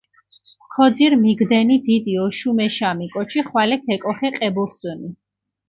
ქოძირჷ მიგდენი დიდი ოშუმეშამი კოჩი ხვალე ქეკოხე ყებურსჷნი.